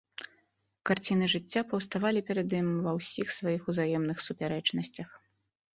Карціны жыцця паўставалі перад ім ва ўсіх сваіх узаемных супярэчнасцях.